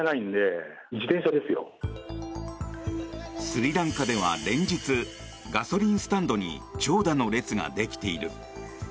スリランカでは連日、ガソリンスタンドに長蛇の列ができている。